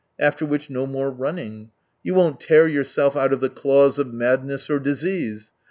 After which no more running. You won't tear yourself out of the claws of madness or disease.